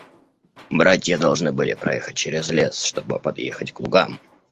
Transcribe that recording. Братья должны были проехать через лес, чтобы подъехать к лугам.